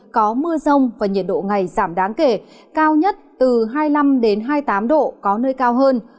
có mưa rông và nhiệt độ ngày giảm đáng kể cao nhất từ hai mươi năm hai mươi tám độ có nơi cao hơn